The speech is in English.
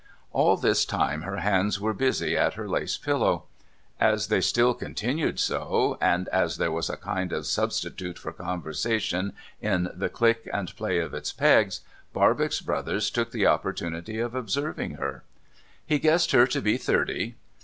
All this time her hands were busy at her lace pillow. As they still continued so, and as there was a kind of substitute for conver sation in the click and play of its pegs, Barbox Brothers took the opportunity of observing her. He guessed her to be thirty.